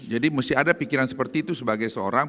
jadi mesti ada pikiran seperti itu sebagai seorang